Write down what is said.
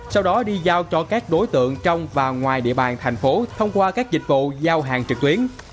sau đó đi giao cho các đối tượng trong và ngoài địa bàn thành phố thông qua các dịch vụ giao hàng trực tuyến